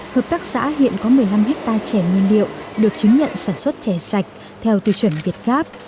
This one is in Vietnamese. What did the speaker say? hợp tác xã hiện có một mươi năm hectare trẻ nguyên liệu được chứng nhận sản xuất chè sạch theo tiêu chuẩn việt gáp